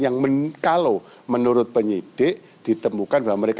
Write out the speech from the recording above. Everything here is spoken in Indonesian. yang kalau menurut penyidik ditemukan bahwa mereka